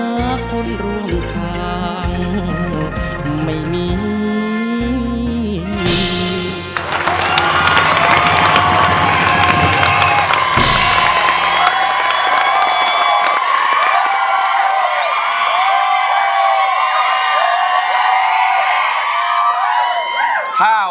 จะใช้หรือไม่ใช้ครับ